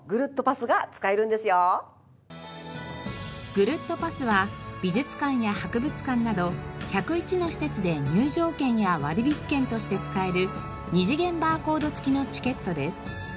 ぐるっとパスは美術館や博物館など１０１の施設で入場券や割引券として使える二次元バーコード付きのチケットです。